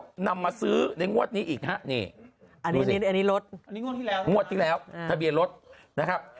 ถูกมาซื้อในงวดนี้อีกนะครับนี่รถนี่ในงวดที่แล้วทะเบียนรถนะครับ